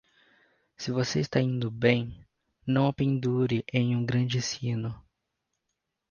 Se você está indo bem, não o pendure em um grande sino.